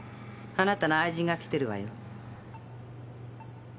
あなたの愛人が来てるわよ。